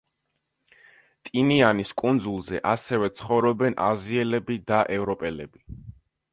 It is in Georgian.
ტინიანის კუნძულზე ასევე ცხოვრობენ აზიელები და ევროპელები.